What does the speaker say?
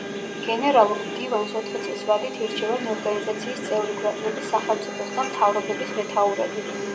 გენერალურ მდივანს ოთხი წლის ვადით ირჩევენ ორგანიზაციის წევრი ქვეყნების სახელმწიფოს და მთავრობების მეთაურები.